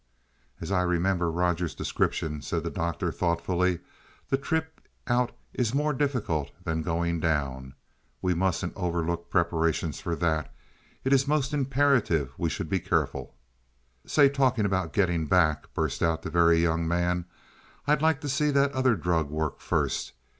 "As I remember Rogers's description," said the Doctor thoughtfully, "the trip out is more difficult than going down. We mustn't overlook preparations for that; it is most imperative we should be careful." "Say, talking about getting back," burst out the Very Young Man. "I'd like to see that other drug work first.